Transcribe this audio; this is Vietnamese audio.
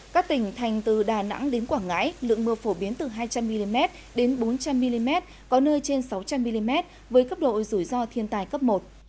các tỉnh thành từ đà nẵng đến quảng ngãi lượng mưa phổ biến từ hai trăm linh mm đến bốn trăm linh mm có nơi trên sáu trăm linh mm với cấp độ rủi ro thiên tài cấp một